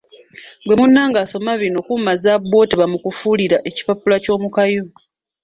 Ggwe munange asoma bino kuuma zaabu wo tebamukufuulira ekipapula ky’omukayu.